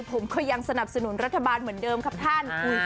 ผมก็ยังสนับสนุนรัฐบาลเหมือนเดิมครับท่าน